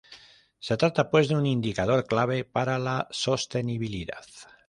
Se trata, pues, de un indicador clave para la sostenibilidad.